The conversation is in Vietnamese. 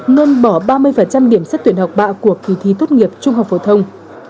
ngâm bỏ ba mươi điểm xét tuyển học bạc của kỳ thi tốt nghiệp trung học phổ thông